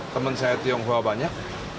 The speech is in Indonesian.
temen saya tionghoa banyak